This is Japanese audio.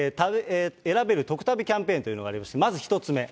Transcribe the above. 選べるトク旅キャンペーンというのがありまして、まず１つ目。